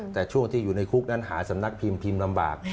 แต่ช่วงที่อยู่ในคุกนั้นหาสำนักพิมพ์พิมพ์ลำบาก